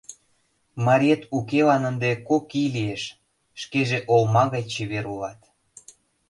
Мариет укелан ынде кок ий лиеш, шкеже олма гай чевер улат...